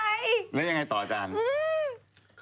แล้วยังไงต่ออาจารย์อืม